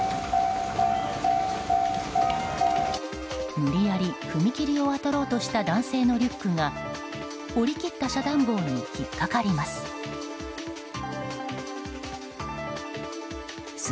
無理やり踏切を渡ろうとした男性のリュックが下り切った遮断棒に引っかかります。